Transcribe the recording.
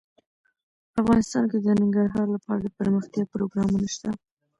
افغانستان کې د ننګرهار لپاره دپرمختیا پروګرامونه شته.